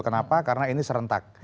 kenapa karena ini serentak